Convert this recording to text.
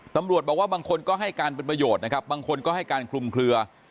ตำรวจบอกว่าบางคนก็ให้การเป็นประโยชน์นะครับบางคนก็ให้การคลุมเคลือ